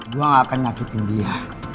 gue gak akan nyakitin dia